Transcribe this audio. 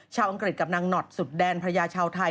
อังกฤษกับนางหนอดสุดแดนภรรยาชาวไทย